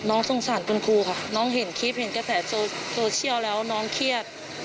สงสารคุณครูค่ะน้องเห็นคลิปเห็นกระแสโซเชียลแล้วน้องเครียด